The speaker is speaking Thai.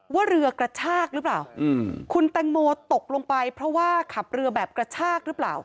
ว่าเรือกระชากหรือเปล่าคุณแตงโมตกลงไปเพราะว่าขับเรือแบบกระชากหรือเปล่า